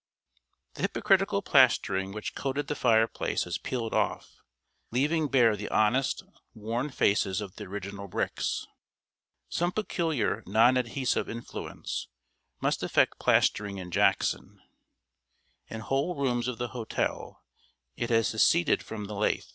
] The hypocritical plastering which coated the fireplace has peeled off, leaving bare the honest, worn faces of the original bricks. Some peculiar non adhesive influence must affect plastering in Jackson. In whole rooms of the hotel it has seceded from the lath.